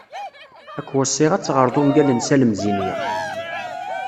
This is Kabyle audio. Ad k-weṣṣiɣ ad teɣreḍ ungal n Salem Zenya.